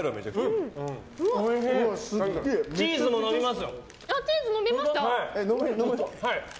チーズも伸びます！